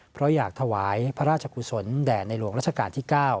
เพราะอยากถวายพระราชกุศลแด่ในหลวงราชการที่๙